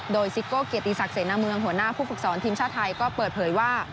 โดยซิโก้เกียรติศักดิเสนาเมืองหัวหน้าผู้ฝึกสอนทีมชาติไทยก็เปิดเผยว่า